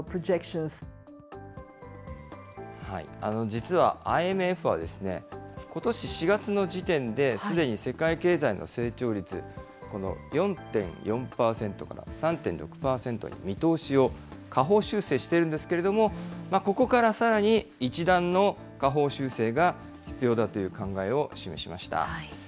実はＩＭＦは、ことし４月の時点で、すでに世界経済の成長率、この４．４％から３．６％に見通しを下方修正しているんですけれども、ここからさらに一段の下方修正が必要だという考えを示しました。